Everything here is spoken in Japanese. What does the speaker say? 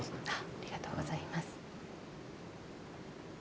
ありがとうございます。